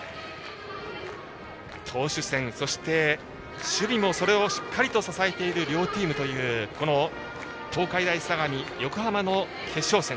投手戦、そして守備もそれをしっかり支えている両チームというこの東海大相模、横浜の決勝戦